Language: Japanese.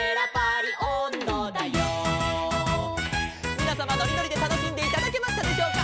「みなさまのりのりでたのしんでいただけましたでしょうか」